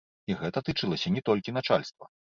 І гэта тычылася не толькі начальства.